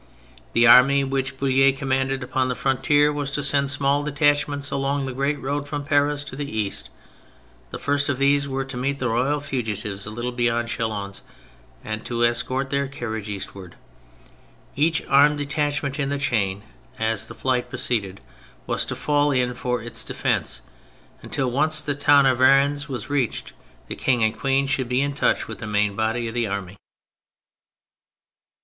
The army which Bouill6 commanded upon the frontier was to send small detach ments along the great road from Paris to the east; the first of these were to meet the royal fugitives a little beyond Chalons and to escort their carriage eastward; each armed detachment in the chain, as the flight pro ceeded, was to fall in for its defence, until, once the town of Varennes was reached, the King and Queen should be in touch with the main body of the army.